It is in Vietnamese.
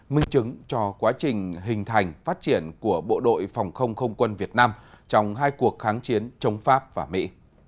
minh chứng cho quá trình hình thành phát triển của bộ đội phòng không không quân việt nam trong hai cuộc kháng chiến chống pháp và mỹ